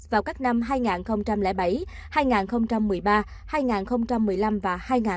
vào các năm hai nghìn bảy hai nghìn một mươi ba hai nghìn một mươi năm và hai nghìn một mươi bảy